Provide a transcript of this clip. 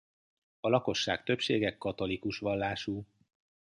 A lakosság többsége katolikus vallású.